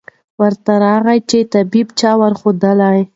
ورته راغی چي طبیب چا ورښودلی